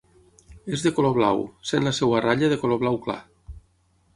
És de color blau, sent la seva ratlla de color blau clar.